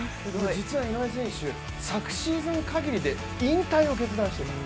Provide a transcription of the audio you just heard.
実は井上選手、昨シーズンかぎりで引退を決意していた。